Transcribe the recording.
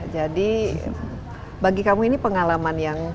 jadi bagi kamu ini pengalaman yang